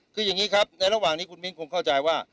คืออย่างนี้ครับในระหว่างนี้คุณมิ้นคงเข้าใจว่า